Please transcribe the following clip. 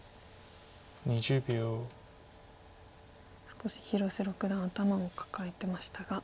少し広瀬六段頭を抱えてましたが。